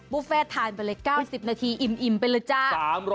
เฟ่ทานไปเลย๙๐นาทีอิ่มไปเลยจ้า